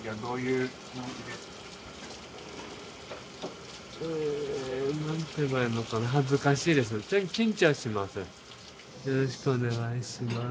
よろしくお願いします。